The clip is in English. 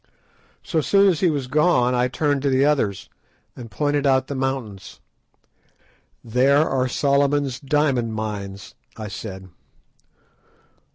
So soon as he was gone I turned to the others, and pointed out the mountains. "There are Solomon's diamond mines," I said.